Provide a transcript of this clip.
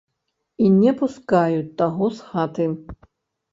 І не пускаюць таго з хаты.